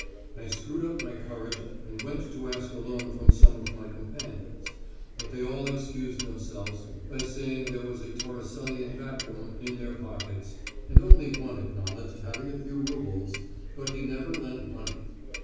I screwed up my courage and went to ask a loan from some of my companions, but they all excused themselves by saying there was a Torricellian vacuum in their pockets, and only one acknowledged having a few roubles, but he never lent money.